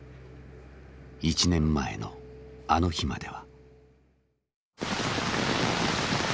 １年前のあの日までは。